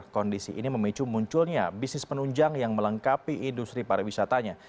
kondisi ini memicu munculnya bisnis penunjang yang melengkapi industri pariwisatanya